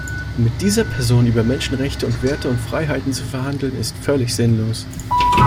Mit dieser Person über Menschenrechte und Werte und Freiheiten zu verhandeln, ist völlig sinnlos.